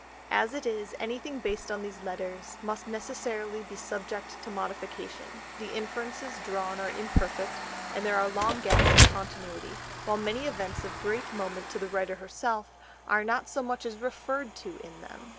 As it is, anything based on these letters must necessarily be subject to modification, the inferences drawn are imperfect, and there are long gaps in continuity, while many events of great moment to the writer herself are not so much as referred to in them.